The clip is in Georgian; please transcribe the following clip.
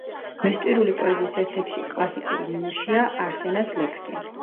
მესტვირული პოეზიის ერთ-ერთი კლასიკური ნიმუშია „არსენას ლექსი“.